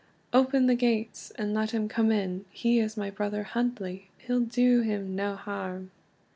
"Open the gates and let him come in; He is my brother Huntly, he'll do him nae harm."